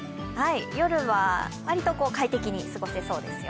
夜は割と快適に過ごせそうですよ。